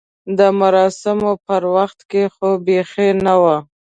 د مراسمو پر وخت کې خو بیخي نه و.